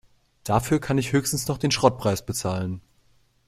Dafür kann ich höchstens noch den Schrottpreis bezahlen.